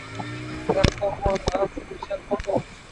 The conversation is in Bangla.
দেখছ পল, আজ মিশেল কত খুশি।